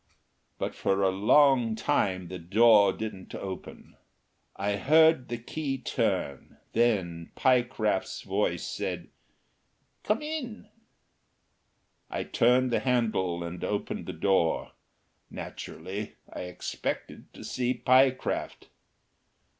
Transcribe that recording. But for a long time the door didn't open. I heard the key turn. Then Pyecraft's voice said, "Come in." I turned the handle and opened the door. Naturally I expected to see Pyecraft.